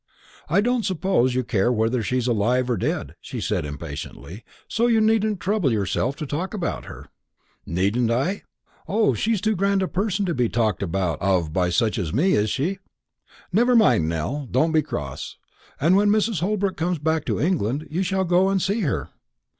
"I don't suppose you care whether she's alive or dead," she said impatiently; "so you needn't trouble yourself to talk about her." "Needn't I? O, she's too grand a person to be talked of by such as me, is she? Never mind, Nell; don't be cross. And when Mrs. Holbrook comes back to England, you shall go and see her."